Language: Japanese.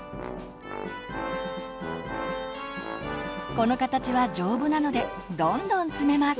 この形は丈夫なのでどんどん積めます。